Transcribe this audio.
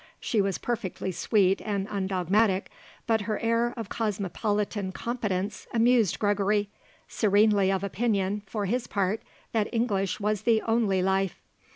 She was perfectly sweet and undogmatic, but her air of cosmopolitan competence amused Gregory, serenely of opinion, for his part, that English was the only life.